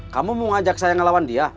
kamu mau ajak saya ngelawan dia